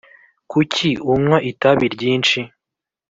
kucyi unywa itabi ryinshi?